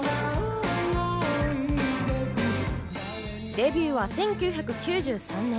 デビューは１９９３年。